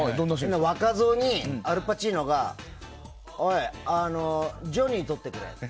若造にアル・パチーノがおい、ジョニー取ってくれって。